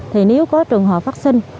thì nếu có trường hợp vaccine